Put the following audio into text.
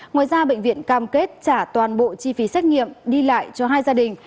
ngoài ra bệnh viện cam kết trả toàn bộ chi phí xét nghiệm đi lại cho hai gia đình